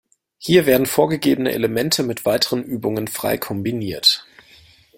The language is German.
Hier werden vorgegebene Elemente mit weiteren Übungen frei kombiniert.